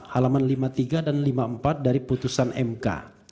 halaman lima puluh tiga dan lima puluh empat dari putusan mk